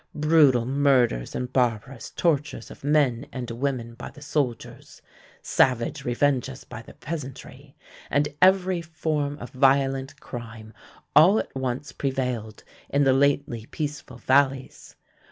Brutal murders and barbarous tortures of men and women by the soldiers, savage revenges by the peasantry, and every form of violent crime all at once prevailed in the lately peaceful valleys.